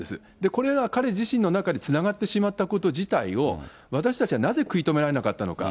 これが彼自身の中でつながってしまったこと自体を、私たちはなぜ食い止められなかったのか。